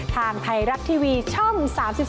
ทางไทยรัฐทีวีช่อง๓๒